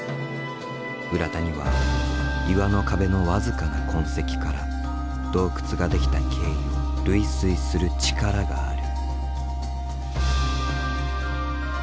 浦田には岩の壁の僅かな痕跡から洞窟が出来た経緯を類推する力がある。